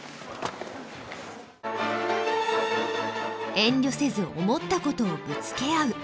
遠慮せず思ったことをぶつけ合う。